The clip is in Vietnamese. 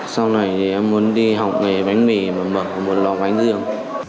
sau này em muốn đi học nghề bánh mì và mở một lò bánh riêng